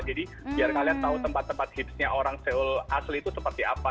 jadi biar kalian tahu tempat tempat tipsnya orang seoul asli itu seperti apa